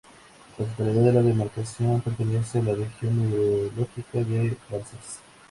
La totalidad de la demarcación pertenece a la región hidrológica del Balsas.